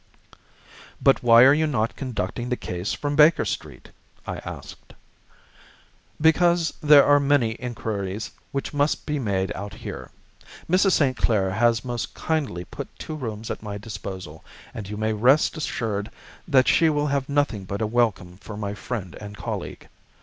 "But why are you not conducting the case from Baker Street?" I asked. "Because there are many inquiries which must be made out here. Mrs. St. Clair has most kindly put two rooms at my disposal, and you may rest assured that she will have nothing but a welcome for my friend and colleague.